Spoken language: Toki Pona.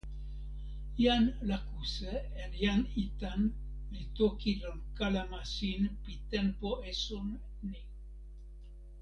jan Lakuse en jan Itan li toki lon kalama sin pi tenpo esun ni.